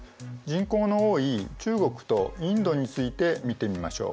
人口の多い中国とインドについて見てみましょう。